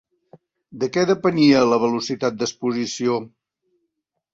De què depenia la velocitat d'exposició?